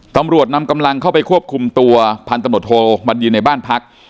ตำรวจนำกำลังเข้าไปควบคุมตัวพันตำรวจโทบัญญินในบ้านพัก